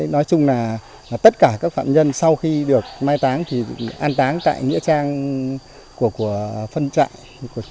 nói chung là tất cả các phạm nhân sau khi được mai táng thì an táng tại nghĩa trang của phân trại